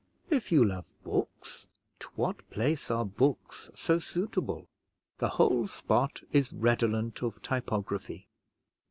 If you love books, to what place are books so suitable? The whole spot is redolent of typography.